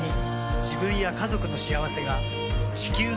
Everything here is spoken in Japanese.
自分や家族の幸せが地球の幸せにつながっている。